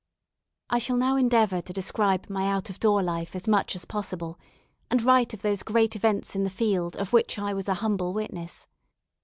I shall now endeavour to describe my out of door life as much as possible, and write of those great events in the field of which I was a humble witness.